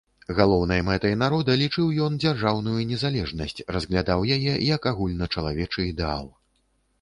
Галоўнай мэтай народа лічыў ён дзяржаўную незалежнасць, разглядаў яе як агульначалавечы ідэал.